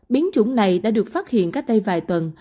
biến chủng này đã được phát hiện cách đây vài tuần